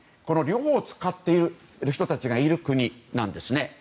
この両方を使っている人たちがいる国なんです。